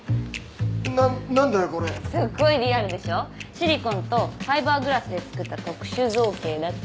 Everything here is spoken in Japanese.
シリコンとファイバーグラスで作った特殊造形だって